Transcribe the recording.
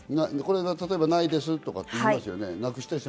例えば「ないです」って言いますよね。